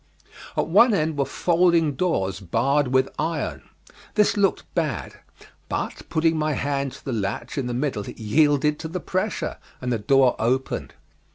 At one end were folding doors barred with iron. This looked bad, but putting my hand to the latch in the middle it yielded to the pressure, and the door opened.